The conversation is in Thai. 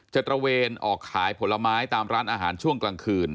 ตระเวนออกขายผลไม้ตามร้านอาหารช่วงกลางคืน